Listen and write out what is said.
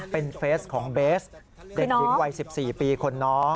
เป็นเฟสของเบสเด็กหญิงวัย๑๔ปีคนน้อง